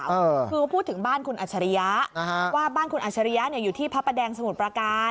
คือพูดถึงบ้านคุณอัจฉริยะว่าบ้านคุณอัชริยะเนี่ยอยู่ที่พระประแดงสมุทรประการ